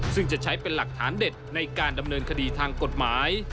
ซึ่งจะใช้เป็นหลักฐานเด็ดในการดำเนินคดีทางกฎหมาย